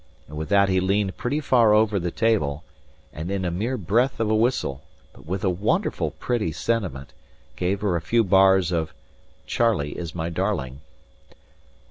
And with that he leaned pretty far over the table, and in a mere breath of a whistle, but with a wonderful pretty sentiment, gave her a few bars of "Charlie is my darling."